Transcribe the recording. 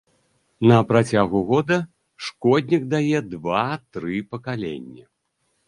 На працягу года шкоднік дае два-тры пакаленні.